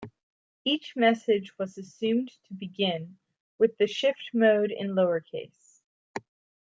Each message was assumed to begin with the shift mode in lower case.